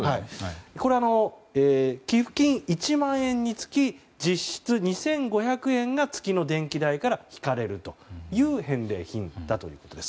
これは寄付金１万円につき実質２５００円が月の電気代から引かれるという返礼品だということです。